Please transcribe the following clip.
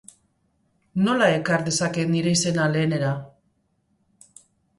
Nola ekar dezaket nire izena lehenera?